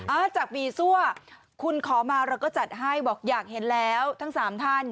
จากบีซั่วคุณขอมาเราก็จัดให้บอกอยากเห็นแล้วทั้งสามท่าน